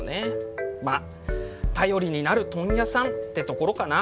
まあ頼りになる問屋さんってところかな。